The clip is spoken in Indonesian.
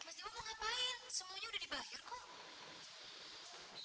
mas dewo mau ngapain semuanya udah dibayar kok